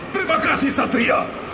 terima kasih satria